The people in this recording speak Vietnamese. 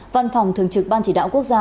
văn phòng thường trực ban chỉ đạo quốc gia